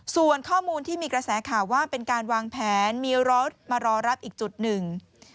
ส่วนข้อมูลที่มีกระแสข่าวว่าเป็นการวางแผนมีรถมารอรับอีกจุดหนึ่ง